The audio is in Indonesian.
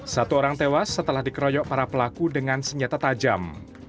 satu orang tewas setelah dikeroyok para pelaku dengan senjata tajam